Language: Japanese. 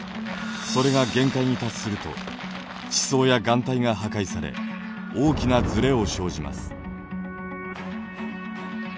それが限界に達すると地層や岩帯が破壊され大きなずれを生じます。